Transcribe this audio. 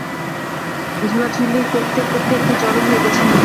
ঝোলাঝুলি করতে করতে একটু জড় হয়ে গেছে মনে হয়।